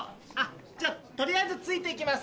じゃ取りあえずついて行きます。